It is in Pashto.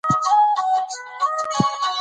تعلیم نجونو ته د مشاوره ورکولو مهارت ورکوي.